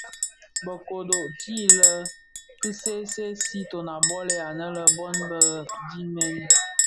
Bë kōdō ti lè ki see see siiton a bolè anë bi bon bë dimèn.